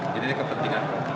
jadi ini kepentingan bumi